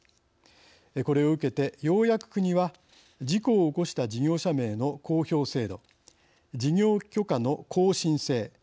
これを受けてようやく国は事故を起こした事業者名の公表制度事業許可の更新制。